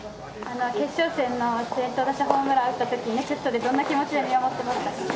決勝戦の先頭打者ホームラン打ったとき、ネクストでどんな気持ちで見守っていましたか。